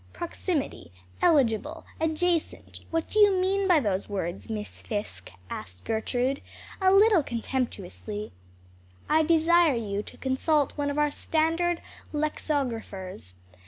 "'Proximity, eligible, adjacent;' what do you mean by those words, Miss Fisk?" asked Gertrude, a little contemptuously. "I desire you to consult one of our standard lexicographers.